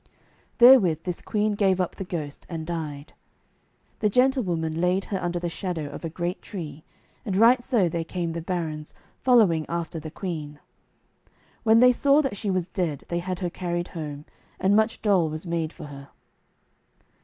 Therewith this queen gave up the ghost and died. The gentlewoman laid her under the shadow of a great tree, and right so there came the barons, following after the queen. When they saw that she was dead they had her carried home, and much dole was made for her.